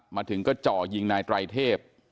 มาถึงก็จ่อยิงนายไตรเทพ